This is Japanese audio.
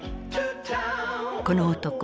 この男